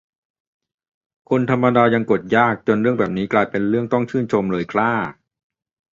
คนธรรมดายังกดยาก จนเรื่องแบบนี้กลายเป็นต้องชื่นชมเลยคร่า